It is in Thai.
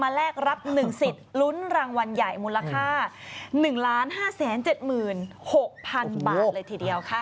แลกรับ๑สิทธิ์ลุ้นรางวัลใหญ่มูลค่า๑๕๗๖๐๐๐บาทเลยทีเดียวค่ะ